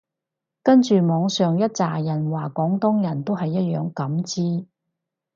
跟住網上一柞人話廣東人都一樣咁支